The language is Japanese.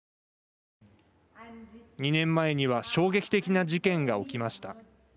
２年前には衝撃的な事件が起きました。